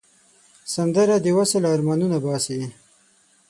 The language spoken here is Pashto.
سندره د وصل آرمانونه باسي